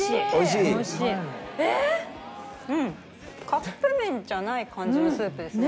カップ麺じゃない感じのスープですね。